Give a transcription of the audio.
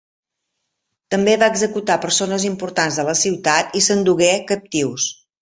També va executar persones importants de la ciutat i s’endugué captius.